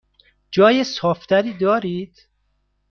جای صاف تری دارید؟